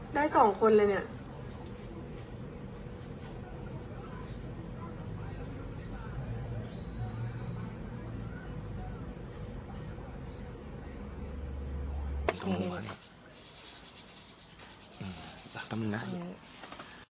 ได้สองคนเลยเนี่ย